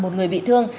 một người bị thương